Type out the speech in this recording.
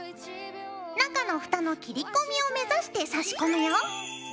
中のフタの切り込みを目指してさし込むよ。